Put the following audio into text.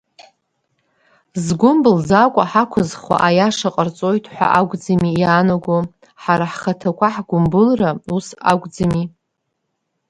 Згәы мбылӡакәа ҳақәызхуа аиаша ҟарҵоит ҳәа акәӡами иаанаго, ҳара ҳхаҭақәа ҳгәымбылра, ус акәӡами?